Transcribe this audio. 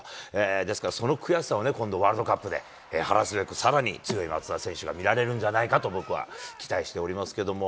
ですから、その悔しさをね、今度ワールドカップで晴らすべく、さらに強い松田選手が見られるんじゃないかと、僕は期待しておりますけども。